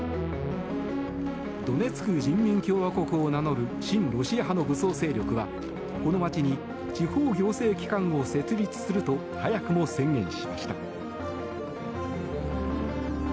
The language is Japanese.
ドネツク人民共和国を名乗る親ロシア派の武装勢力はこの街に地方行政機関を設立すると早くも宣言しました。